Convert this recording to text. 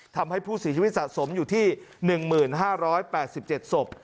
ทำให้ผู้เสียชีวิตสะสมอยู่ที่๑๕๘๗ศพ